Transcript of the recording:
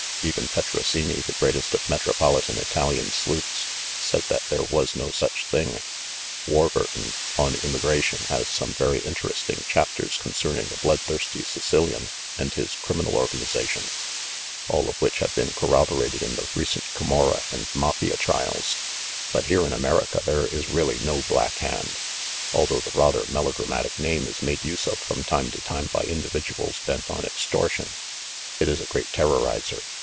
Even Petrosini, the greatest of metropolitan Italian sleuths, said that there was no such thing. Warburton, on Im migration, has some very interesting chapters concern ing the bloodthirsty Sicilian and his criminal organiza tion, all of which have been corroborated in the recent THE MACDOUGAL STREET AFFAIR 51 Camorra and Mafia trials. But here in America there is really no Black Hand ; although the rather melodra matic name is made use of from time to time by indi viduals bent on extortion. It is a great terrorizer.